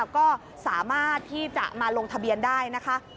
ก็สามารถที่จะมาลงทะเบียนได้นะคะ